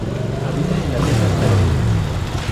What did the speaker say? Habita en las Islas Carolinas.